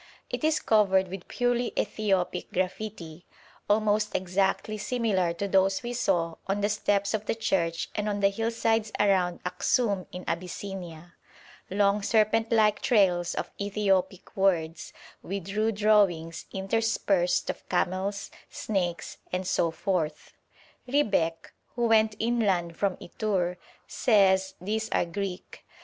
It is covered with purely Ethiopic graffiti, almost exactly similar to those we saw on the steps of the church and on the hillsides around Aksum in Abyssinia long serpent like trails of Ethiopic words, with rude drawings interspersed of camels, snakes, and so forth. Riebeck, who went inland from Itur, says these are Greek.